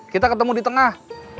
kita ketemu di tengah